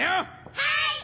はい！